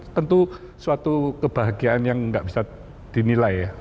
tentu suatu kebahagiaan yang nggak bisa dinilai ya